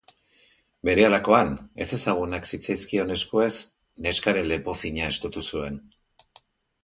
Berehalakoan, ezezagunak zitzaizkion eskuez, neskaren lepo fina estutu zuen.